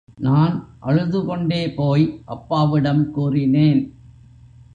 நான் அழுதுகொண்டே போய் அப்பாவிடம் கூறினேன்.